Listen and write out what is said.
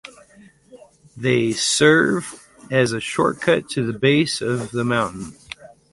They serve as a shortcut to the base of the mountain.